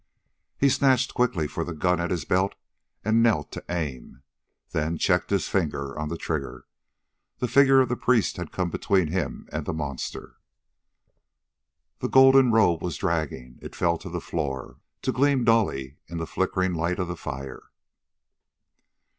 He snatched quickly for the gun at his belt and knelt to aim then checked his finger on the trigger. The figure of the priest had come between him and the monster. The golden robe was dragging. It fell to the floor, to gleam dully in the flickering light of the fire.